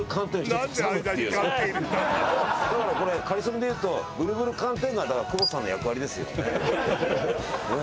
だからこれ『かりそめ』で言うとぷるぷる寒天はだから久保田さんの役割ですよね。